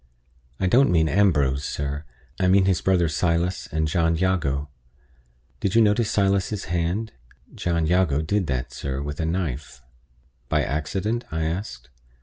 I don't mean Ambrose, sir; I mean his brother Silas, and John Jago. Did you notice Silas's hand? John Jago did that, sir, with a knife." "By accident?" I asked.